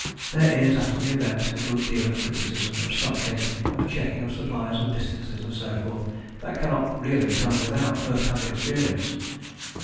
There is after the event a good deal of criticism, of stock taking, of checking of supplies and distances and so forth that cannot really be done without first hand experience.